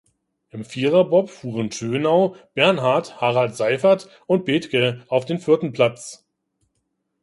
Im Viererbob fuhren Schönau, Bernhardt, Harald Seifert und Bethge auf den vierten Platz.